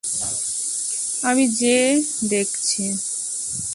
আমি যেয়ে দেখছি।